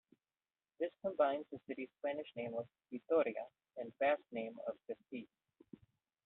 This combines the city's Spanish name of Vitoria and Basque name of Gasteiz.